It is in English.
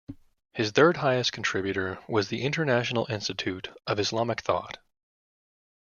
His third-highest contributor was the International Institute of Islamic Thought.